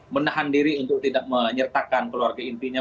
menahan diri untuk tidak menyertakan keluarga intinya